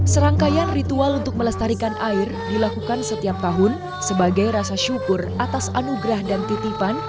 serangkaian ritual untuk melestarikan air dilakukan setiap tahun sebagai rasa syukur atas anugerah dan titipan